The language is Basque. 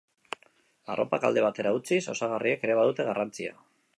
Arropak alde batera utziz, osagarriek ere badute garrantzia.